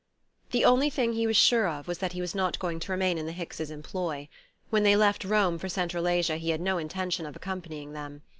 The only thing he was sure of was that he was not going to remain in the Hickses' employ: when they left Rome for Central Asia he had no intention of accompanying them.